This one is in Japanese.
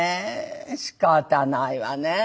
しかたないわね。